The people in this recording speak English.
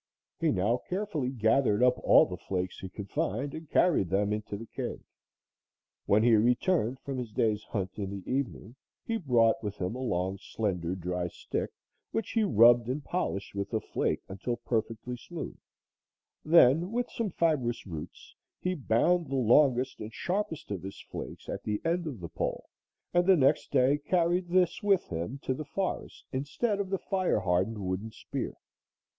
He now carefully gathered up all the flakes he could find and carried them into the cave. When he returned from his day's hunt in the evening, he brought with him a long, slender, dry stick which he rubbed and polished with a flake until perfectly smooth; then, with some fibrous roots, he bound the longest and sharpest of his flakes at the end of the pole, and the next day carried this with him to the forest instead of the fire hardened wooden spear.